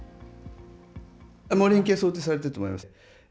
もう連携は想定されてると思います。